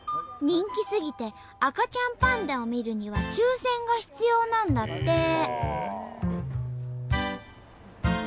人気すぎて赤ちゃんパンダを見るには抽せんが必要なんだって。